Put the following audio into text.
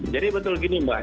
jadi betul gini mbak